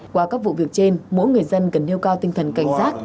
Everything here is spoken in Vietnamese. qua các vụ việc trên mỗi người dân cần nêu cao tinh thần cảnh giác